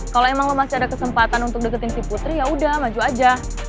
kalau emang lo masih ada kesempatan untuk deketin si putri yaudah maju aja